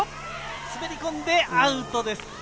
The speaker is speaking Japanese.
滑り込んでアウトです。